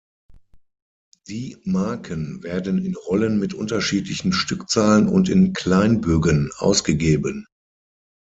Die Marken werden in Rollen mit unterschiedlichen Stückzahlen und in Kleinbogen ausgegeben.